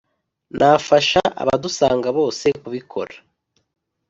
nafasha abadusanga bose kubikora